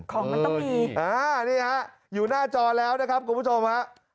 ของมันต้องมีอ่านี่ฮะอยู่หน้าจอแล้วนะครับคุณผู้ชมฮะ